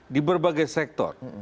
di berbagai sektor